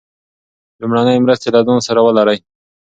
لومړنۍ مرستې له ځان سره ولرئ.